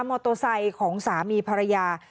มอเตอร์ไซค์ของสามีภรรยา